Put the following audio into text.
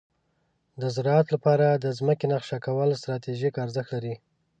د زراعت لپاره د ځمکې نقشه کول ستراتیژیک ارزښت لري.